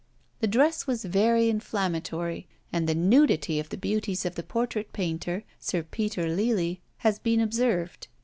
The dress was very inflammatory; and the nudity of the beauties of the portrait painter, Sir Peter Lely, has been observed.